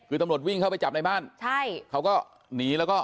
คือตำรวจวิ่งเข้าไปจับในบ้านใช่เขาก็หนีแล้วก็